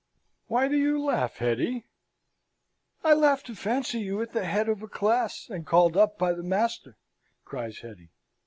Why do you laugh, Hetty?" "I laugh to fancy you at the head of a class, and called up by the master!" cries Hetty.